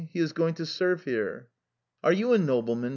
" He is going to work here." "Are you a nobleman?